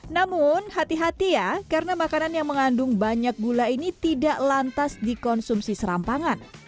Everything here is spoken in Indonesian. namun hati hati ya karena makanan yang mengandung banyak gula ini tidak lantas dikonsumsi serampangan